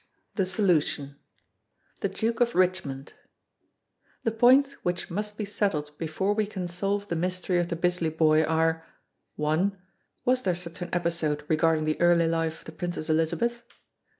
THE SOLUTION The Duke of Richmond The points which must be settled before we can solve the mystery of the Bisley Boy are: (1) Was there such an episode regarding the early life of the Princess Elizabeth?